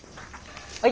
はい。